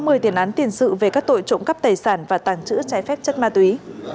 có một mươi tiền án tiền sự về các tội trộm cắp tài sản và tàng trữ trái phép chất ma túy